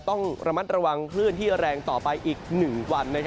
ต้องระมัดระวังคลื่นที่แรงต่อไปอีก๑วัน